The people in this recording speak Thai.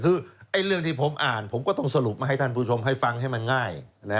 คือเรื่องที่ผมอ่านผมก็ต้องสรุปมาให้ท่านผู้ชมให้ฟังให้มันง่าย